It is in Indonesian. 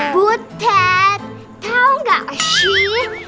butet tau gak asyik